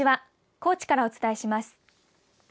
高知からお伝えします。